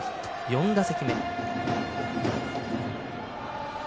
４打席目。